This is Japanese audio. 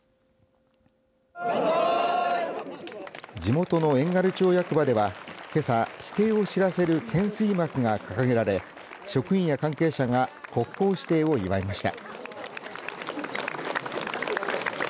地元の遠軽町役場ではけさ指定を知らせる懸垂幕が掲げられ、職員や関係者が国宝指定を祝いました。